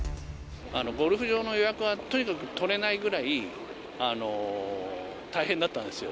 ゴルフ場の予約はとにかく取れないぐらい大変だったんですよ。